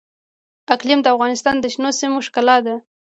اقلیم د افغانستان د شنو سیمو ښکلا ده.